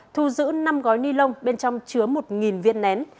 thu giữ năm gói ni lông bên trong chứa một viên nén